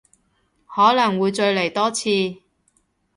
可能會再嚟多次